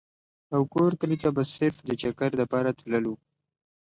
او کور کلي ته به صرف د چکر دپاره تللو ۔